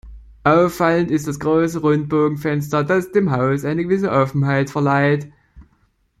Auffallend ist das große Rundbogenfenster, das dem Haus eine gewisse Offenheit verleiht.